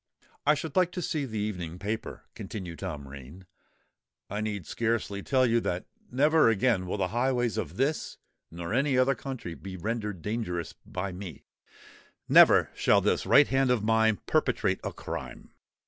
"I should like to see the evening paper," continued Tom Rain. "I need scarcely tell you that never again will the highways of this nor any other country be rendered dangerous by me—never shall this right hand of mine perpetrate a crime.